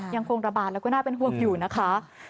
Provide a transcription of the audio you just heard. ยังคงระบาดแล้วก็น่าเป็นห่วงอยู่นะคะ